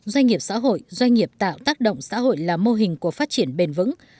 doanh nghiệp xã hội doanh nghiệp tạo tác động xã hội là mô hình của phát triển bền vững